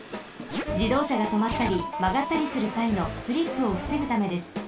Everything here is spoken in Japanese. じどうしゃがとまったりまがったりするさいのスリップをふせぐためです。